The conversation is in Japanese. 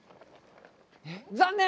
残念！